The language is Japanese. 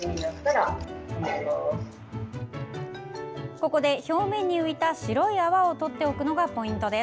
ここで、表面に浮いた白い泡をとっておくのがポイント。